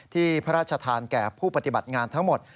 พระราชทานแก่ผู้ปฏิบัติงานทั้งหมด